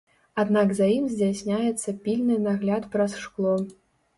Аднак за ім здзяйсняецца пільны нагляд праз шкло.